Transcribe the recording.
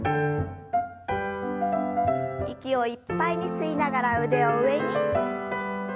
息をいっぱいに吸いながら腕を上に。